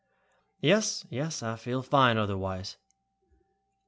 "Yes, yes I feel fine otherwise."